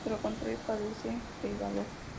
De lo contrario, carecen de valor.